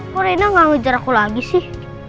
kok reina gak ngejar aku lagi sih